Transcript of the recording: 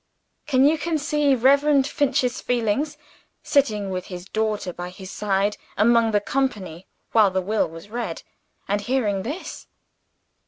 Can you conceive Reverend Finch's feelings, sitting, with his daughter by his side, among the company, while the will was read, and hearing this?